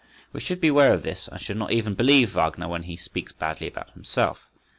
We should beware of this, and should not even believe Wagner when he speaks badly about himself.